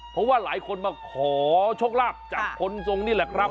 เพราะว่าหลายคนมาขอโชคลาภจากคนทรงนี่แหละครับ